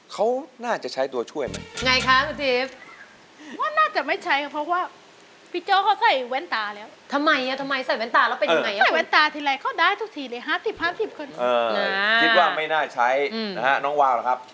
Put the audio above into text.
คุณจ้อนะเดี๋ยวเหมือนจะใช้ค่ะ